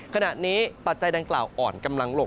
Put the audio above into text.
ขณะนี้ปัจจัยดังกล่าวอ่อนกำลังลง